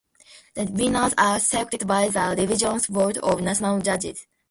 The winners are selected by the Livingston Board of National Judges.